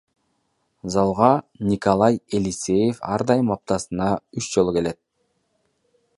Залга Николай Елисеев ар дайым аптасына үч жолу келет.